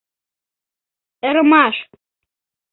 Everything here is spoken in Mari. — Ӧрмаш.